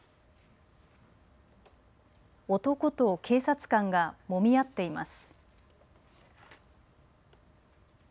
男と警察官がもみ合っています。